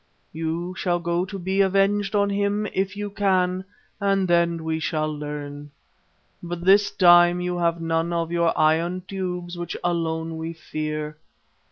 You shall go to be avenged on him if you can, and then we shall learn. But this time you have none of your iron tubes which alone we fear.